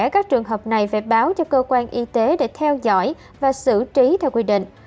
các trường hợp này phải báo cho cơ quan y tế để theo dõi và xử trí theo quy định